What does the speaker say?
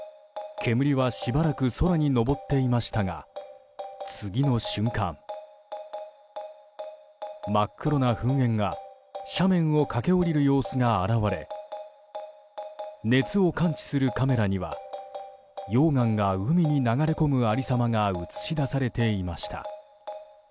煙はしばらく空に上っていましたが次の瞬間、真っ黒な噴煙が斜面を駆け下りる様子が現れ熱を感知するカメラには溶岩が海に流れ込む有り様が映し出されていました。